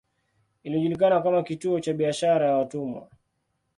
Ilijulikana kama kituo cha biashara ya watumwa.